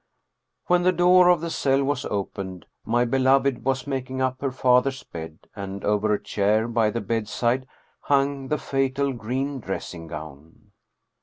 When the door of the cell was opened my beloved was making up her father's bed, and over a chair by the bed side hung the fatal green dressing gown.